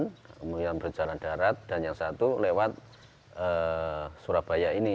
kemudian berjalan darat dan yang satu lewat surabaya ini